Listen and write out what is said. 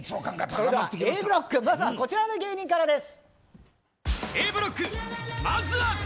Ａブロックまずはこちらの芸人からです。